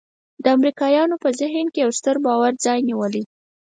د امریکایانو په ذهن کې یو ستر باور ځای نیولی.